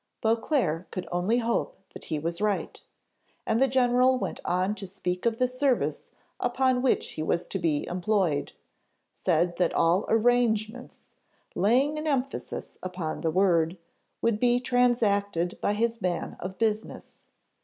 Beauclerc could only hope that he was right; and the general went on to speak of the service upon which he was to be employed: said that all arrangements, laying an emphasis upon the word, would be transacted by his man of business.